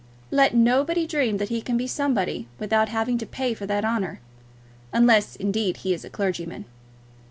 Let nobody dream that he can be somebody without having to pay for that honour; unless, indeed, he be a clergyman.